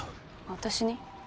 私に？